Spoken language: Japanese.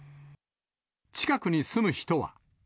近くに住む人は。